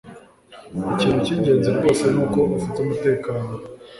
ikintu cyingenzi rwose nuko ufite umutekano ubu